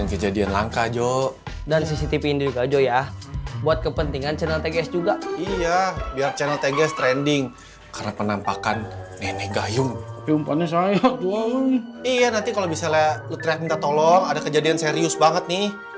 kalo lo ternyata minta tolong ada kejadian serius banget nih